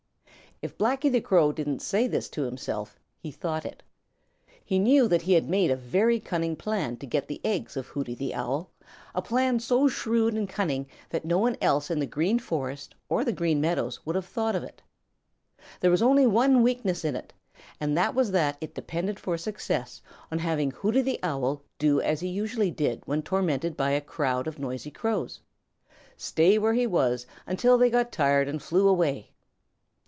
If Blacky the Crow didn't say this to himself, he thought it. He knew that he had made a very cunning plan to get the eggs of Hooty the Owl, a plan so shrewd and cunning that no one else in the Green Forest or on the Green Meadows would have thought of it. There was only one weakness in it, and that was that it depended for success on having Hooty the Owl do as he usually did when tormented by a crowd of noisy Crows, stay where he was until they got tired and flew away.